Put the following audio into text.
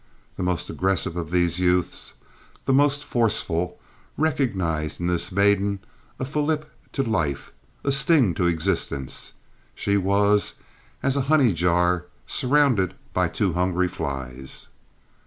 The most aggressive of these youths—the most forceful—recognized in this maiden a fillip to life, a sting to existence. She was as a honey jar surrounded by too hungry flies.